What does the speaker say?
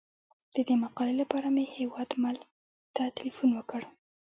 د دې مقالې لپاره مې هیوادمل ته تیلفون وکړ.